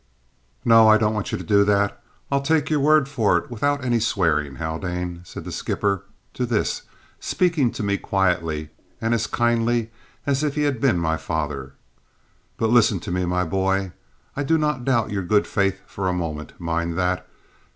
"No, I don't want you to do that; I'll take your word for it without any swearing, Haldane," said the skipper to this, speaking to me quietly and as kindly as if he had been my father. "But listen to me, my boy. I do not doubt your good faith for a moment, mind that.